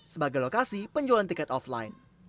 sebagai lokasi penjualan tiket offline